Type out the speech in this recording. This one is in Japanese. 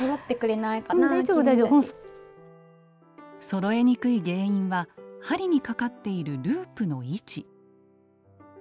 そろえにくい原因は針にかかっているループの位置。